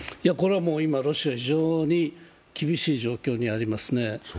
ロシアは今、非常に厳しい状況にありますね。